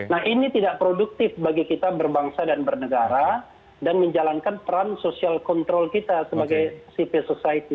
nah ini tidak produktif bagi kita berbangsa dan bernegara dan menjalankan peran social control kita sebagai civil society